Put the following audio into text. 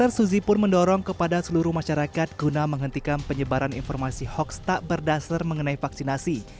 r suzi pun mendorong kepada seluruh masyarakat guna menghentikan penyebaran informasi hoax tak berdasar mengenai vaksinasi